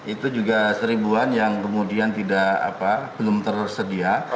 itu juga seribuan yang kemudian belum tersedia